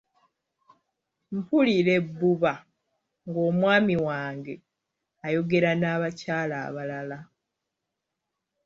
Mpulira ebbuba ng'omwami wange ayagogera n'abakyala abalala.